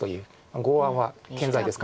剛腕は健在ですから。